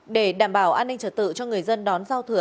để đảm bảo an ninh trở tự cho người dân đón giao thừa